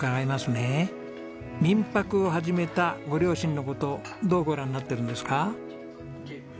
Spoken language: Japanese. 民泊を始めたご両親の事どうご覧になってるんですか？